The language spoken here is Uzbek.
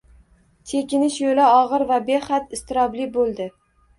Chekinish yo`li og`ir va behad iztirobli bo`ldi